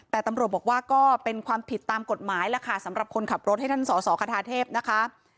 แต่ตำรวจบอกว่าก็เป็นความผิดตามกฎหมายแล้วค่ะสำหรับคนขับรถให้ท่านสอสอคทาเทพนะคะ